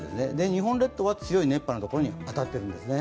日本列島は強い熱波の所に当たってるんです。